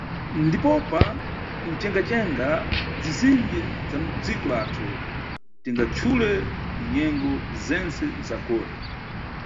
Ndipopa, mcenga-cenga zizinji za mu dziko lathu, tingachule mu nyengo zentse za gole.